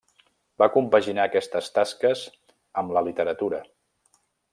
Va compaginar aquestes tasques amb la literatura.